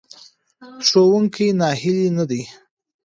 ښوونکی ناهیلی نه دی.